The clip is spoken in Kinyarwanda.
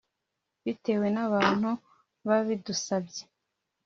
bitewe n’abantu babidusabye